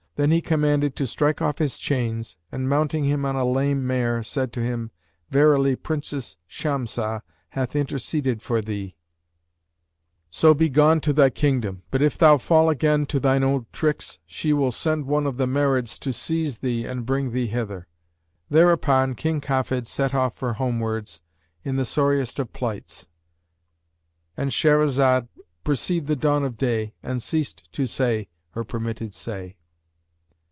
Then he commanded to strike off his chains and, mounting him on a lame mare, said to him, 'Verily Princess Shamsah hath interceded for thee: so begone to thy kingdom, but if thou fall again to thine old tricks, she will send one of the Marids to seize thee and bring thee hither.' Thereupon King Kafid set off home wards, in the sorriest of plights,"—And Shahrazad perceived the dawn of day and ceased to say her permitted say.